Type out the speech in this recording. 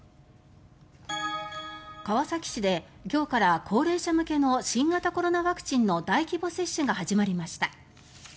川崎市で今日から高齢者向けの新型コロナワクチンの大規模接種が始まりました。